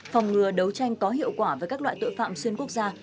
phòng ngừa đấu tranh có hiệu quả với các loại tội phạm xuyên quốc gia